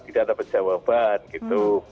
tidak ada penjawaban gitu